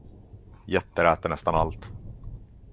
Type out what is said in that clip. Getter äter nästan allt.